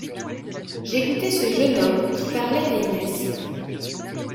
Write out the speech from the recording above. J’écoutais ce jeune homme, qui parlait à Inès.